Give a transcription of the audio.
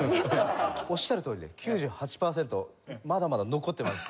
おっしゃるとおりで９８パーセントまだまだ残ってます。